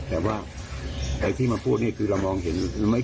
แต่ว่าไอ้ที่มาพูดนี่คือเรามองเห็น